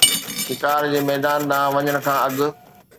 شڪار جي ميدان ڏانهن وڃڻ کان اڳ